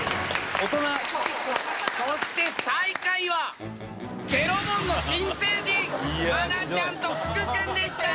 そして最下位は０問の新成人愛菜ちゃんと福君でした。